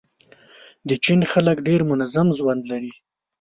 د چین خلک ډېر منظم ژوند لري.